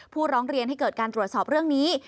ร้องเรียนให้เกิดการตรวจสอบเรื่องนี้